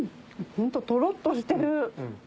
ホントトロっとしてる！